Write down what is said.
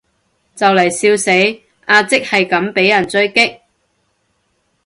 就嚟笑死，阿即係咁被人狙擊